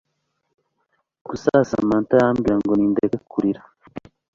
gusa samantha arambwira ngo nindeke kurira